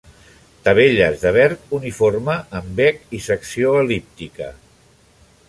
Tavelles de verd uniforme, amb bec i secció el·líptica.